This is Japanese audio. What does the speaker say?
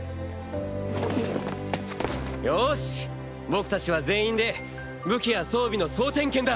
よし僕たちは全員で武器や装備の総点検だ。